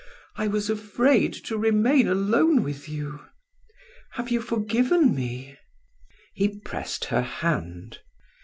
I was afraid to remain alone with you. Have you forgiven me?" He pressed her hand.